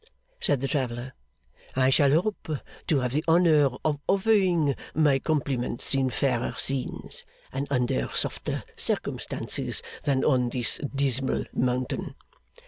said the traveller. 'I shall hope to have the honour of offering my compliments in fairer scenes, and under softer circumstances, than on this dismal mountain.